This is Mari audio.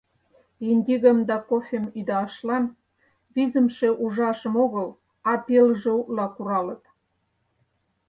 Индигом да кофем ӱдашлан визымше ужашым огыл, а пелыже утла куралыт.